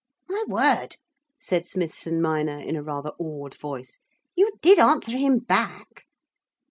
'My word,' said Smithson minor in a rather awed voice, 'you did answer him back.'